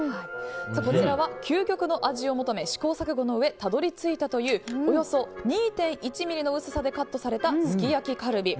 こちらは究極の味を求め試行錯誤のうえたどり着いたというおよそ２．１ｍｍの薄さでカットされたすき焼きカルビ。